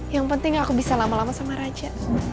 yang penting aku bisa lama lama sama raja